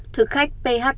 thực khách pht hai mươi bốn